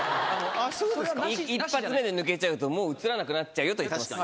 一発目で抜けちゃうと、もう映らなくなっちゃうよと言ってました。